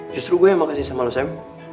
justru gue yang makasih sama lu sam